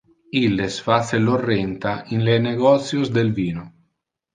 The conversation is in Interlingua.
Illes face lor renta in le negotios del vino.